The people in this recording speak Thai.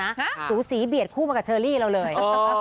สูสีเบียดคู่มากับเชอรี่เราเลย